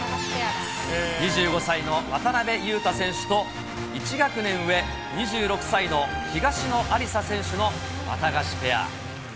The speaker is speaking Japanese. ２５歳の渡辺勇大選手と、１学年上、２６歳の東野有紗選手のワタガシペア。